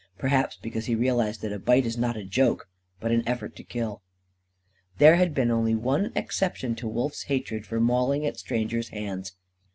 Perhaps because he realised that a bite is not a joke, but an effort to kill. There had been only one exception to Wolf's hatred for mauling at strangers' hands.